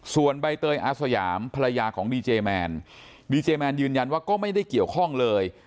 ส่วนใบเตยอาสยามภรรยาของดีเจแมนดีเจแมนยืนยันว่าก็ไม่ได้เกี่ยวข้องเลย